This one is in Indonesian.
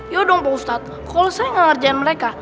yaudah pak ustadz kalau saya gak ngerjain mereka